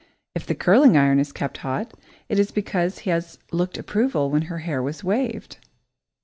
If the curling iron is kept hot, it is because he has looked approval when her hair was waved.